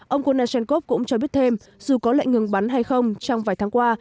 ông knashenkov cũng cho biết thêm dù có lệnh ngừng bắn hay không trong vài tháng qua